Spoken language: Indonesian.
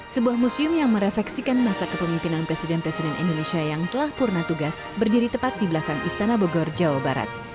sebuah museum yang merefleksikan masa kepemimpinan presiden presiden indonesia yang telah purna tugas berdiri tepat di belakang istana bogor jawa barat